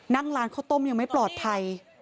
นั่งร้านข้าวต้มยังไม่ปลอดภัย